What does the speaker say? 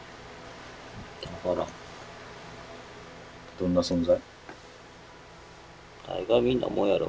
どんな存在？